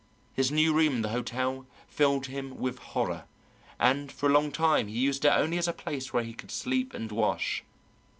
His new room in the hotel filled him with horror, and for a long time he used it only as a place where he could sleep and wash.